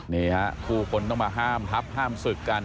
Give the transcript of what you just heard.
นี่ฮะผู้คนต้องมาห้ามทับห้ามศึกกัน